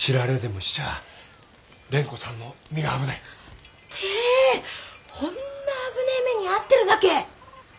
ほんな危ねえ目に遭ってるだけ！